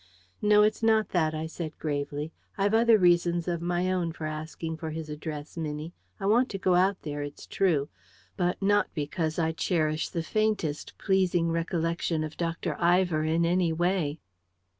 "No, it's not that," I said gravely. "I've other reasons of my own for asking his address, Minnie. I want to go out there, it's true; but not because I cherish the faintest pleasing recollection of Dr. Ivor in any way."